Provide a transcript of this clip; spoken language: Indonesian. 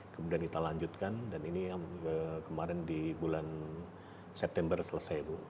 kemudian kita lanjutkan dan ini yang kemarin di bulan september selesai bu